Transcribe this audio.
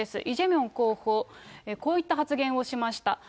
イ・ジェミョン候補、こういった発言をしました。